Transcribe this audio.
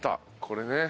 これね。